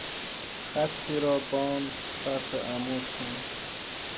خطی را بآن سطح عمود کنید.